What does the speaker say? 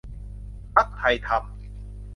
พรรคไทยธรรม